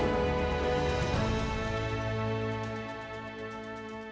jadi kita harus mencari tahu bagaimana mereka mendapatkan title seperti itu